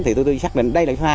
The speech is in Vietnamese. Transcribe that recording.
thì tụi tôi xác định đây là sô tha